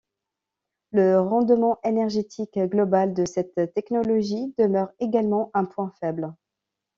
Le rendement énergétique global de cette technologie demeure également un point faible.